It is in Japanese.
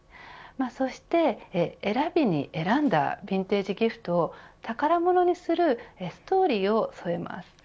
そして選びに選んだヴィンテージギフトを宝物にするストーリーを添えます。